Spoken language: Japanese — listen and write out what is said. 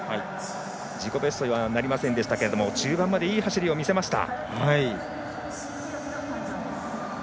自己ベストはなりませんでしたが中盤までいい走りを見せました。